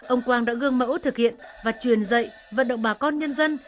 ông quang đã gương mẫu thực hiện và truyền dạy vận động bà con nhân dân